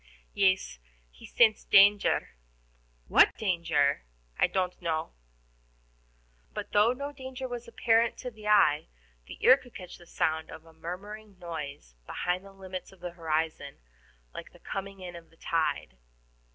"Yes, he scents danger." "What danger?" "I don't know." But, though no danger was apparent to the eye, the ear could catch the sound of a murmuring noise beyond the limits of the horizon, like the coming in of the tide.